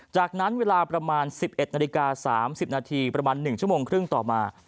จากนั้นเวลาประมาณ๑๑นาฬิกา๓๐นาทีประมาณ๑ชั่วโมงครึ่งต่อมา